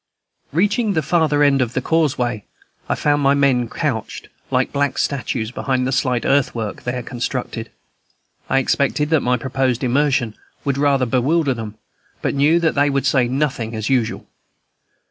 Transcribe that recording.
Reaching the farther end of the causeway, I found my men couched, like black statues, behind the slight earthwork there constructed. I expected that my proposed immersion would rather bewilder them, but knew that they would say nothing, as usual.